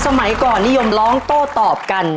สมัยก่อนนิยมร้องโต้ตอบกัน